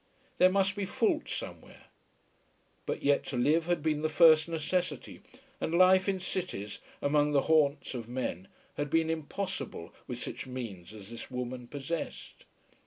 There must be fault somewhere. But yet to live had been the first necessity; and life in cities, among the haunts of men, had been impossible with such means as this woman possessed.